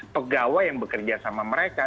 pegawai yang bekerja sama mereka